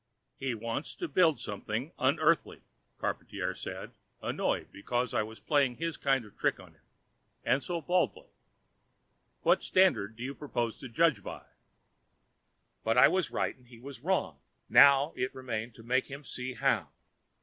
"He wants to build something unEarthly," Charpantier said, annoyed because I was playing his kind of trick on him, and so baldly. "What standards do you propose to judge by?" But I was right and he was wrong. Now it remained to make him see how.